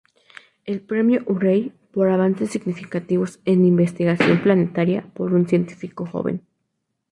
El Premio Urey por avances significativos en investigación planetaria por un científico joven.